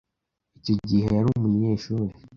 Icyo gihe yari umunyeshuri.